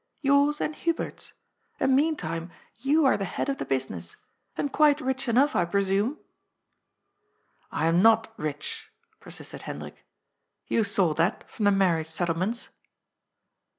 Yours and Hubert's. And, meantime, you are the head of the business. And quite rich enough, I pre sume." " I am not rich," persisted Hendrik. " You saw that from the marriage settlements."